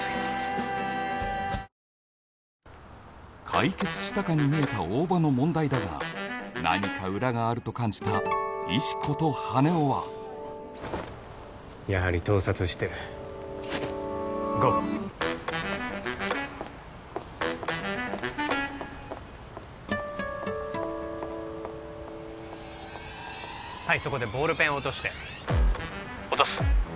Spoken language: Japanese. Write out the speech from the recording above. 解決したかに見えた大庭の問題だが何か裏があると感じた石子と羽男はやはり盗撮してるゴーはいそこでボールペン落として落とす